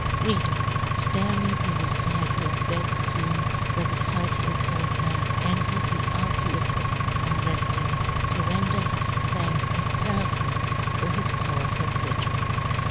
Reader, fpare me the recital of that fcene where the fightlefs old man entered the archiepifcopal re fidence to render his thanks in per fon to his powerful patron.